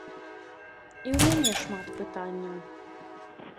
І у мяне шмат пытанняў.